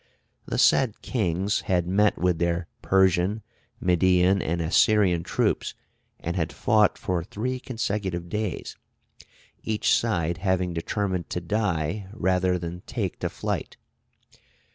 The said kings had met with their Persian, Median, and Assyrian troops, and had fought for three consecutive days, each side having determined to die rather than take to flight.